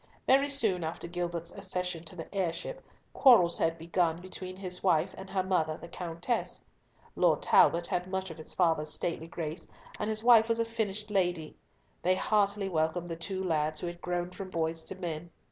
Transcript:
Very soon after Gilbert's accession to the heirship, quarrels had begun between his wife and her mother the Countess. Lord Talbot had much of his father's stately grace, and his wife was a finished lady. They heartily welcomed the two lads who had grown from boys to men.